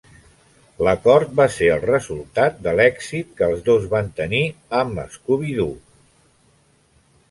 L'acord va ser el resultat de l'èxit que els dos van tenir amb 'Scooby-Doo!'.